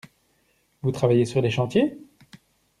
Vous travaillez sur les chantiers?